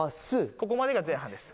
ここまでが前半です。